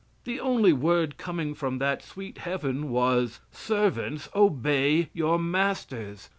The only word coming from that sweet Heaven was, "Servants, obey your masters."